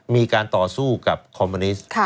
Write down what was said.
มีการต่อสู้กับคอมมิวนิสต์